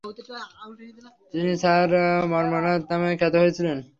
তিনি স্যার মন্মথনাথ নামে খ্যাত হয়েছিলেন।